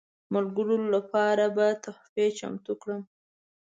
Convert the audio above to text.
ملګرو لپاره به تحفې چمتو کړم.